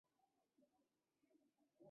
古托从此开始研究巫术和玄学。